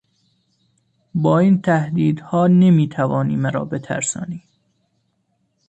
با این تهدیدها نمیتوانی مرا بترسانی!